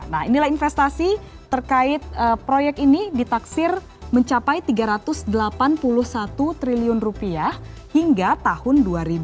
nah inilah investasi terkait proyek ini ditaksir mencapai rp tiga ratus delapan puluh satu triliun rupiah hingga tahun dua ribu dua puluh